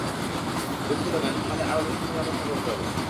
দুঃখিত ম্যাম, আমাদের আরো দুই তিন দিন অপেক্ষা করতে হবে।